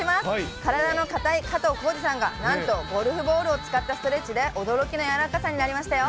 体の硬い加藤浩次さんが、なんとゴルフボールを使ったストレッチで、驚きの柔らかさになりましたよ。